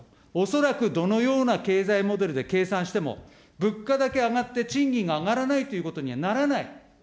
恐らくどのような経済モデルで計算しても、物価だけ上がって賃金が上がらないということにはならない。